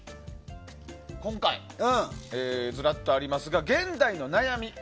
今回、ずらっとありますが現代の悩み